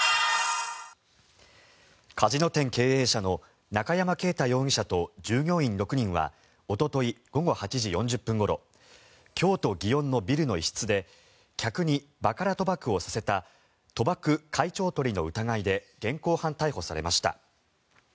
カジノ店経営者の中山景太容疑者と従業員６人はおととい午後８時４０分ごろ京都・祇園のビルの一室で客にバカラ賭博をさせた賭博開帳図利の疑いで現行犯逮捕されました。